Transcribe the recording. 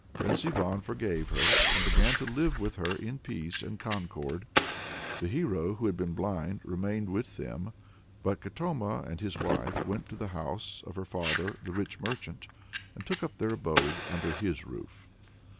Prince Ivan forgave her, and began to live with her in peace and concord. The hero who had been blind remained with them, but Katoma and his wife went to the house of [her father] the rich merchant, and took up their abode under his roof.